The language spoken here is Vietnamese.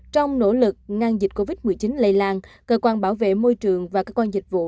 trong nỗ lực ngăn dịch covid một mươi chín lây lan cơ quan bảo vệ môi trường và cơ quan dịch vụ